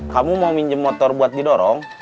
kamu mau minjem motor buat didorong